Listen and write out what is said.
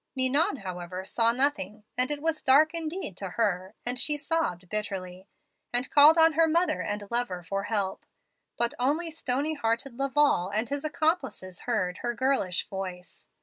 Ninon, however, saw nothing, and it was dark indeed to her, and she sobbed bitterly, and called on her mother and lover for help. But only stony hearted Laval and his accomplices heard her girlish voice.